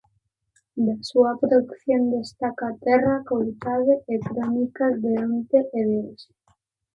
Da súa produción, destaca Terra coutada e Crónicas de onte e de hoxe.